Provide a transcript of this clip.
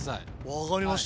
分かりました。